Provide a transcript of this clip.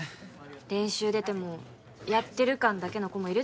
練習出てもやってる感だけの子もいるでしょ？